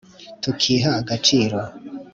tukiha agaciro